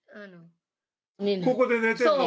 ここで寝てるの？